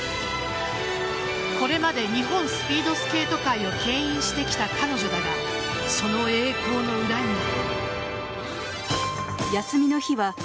これまで日本スピードスケート界をけん引してきた彼女だがその栄光の裏には。